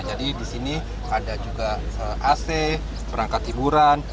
jadi di sini ada juga ac perangkat hiburan